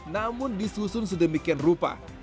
namun disusun sedemikian rupa